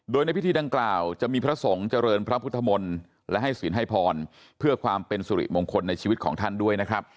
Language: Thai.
โดยในพิธีดังกล่าวจะมีพระสงฆ์เจริญพระพุทธมนตร์และให้ศีลให้พรเพื่อความเป็นสุริมงคลในชีวิตของท่านด้วยนะครับ